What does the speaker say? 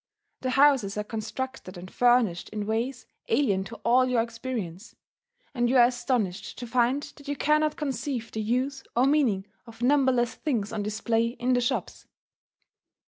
The houses are constructed and furnished in ways alien to all your experience; and you are astonished to find that you cannot conceive the use or meaning of numberless things on display in the shops.